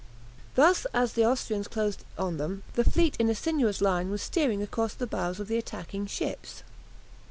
Thus as the Austrians closed on them the fleet in a sinuous line was steering across the bows of the attacking ships.